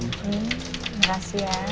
hmm makasih ya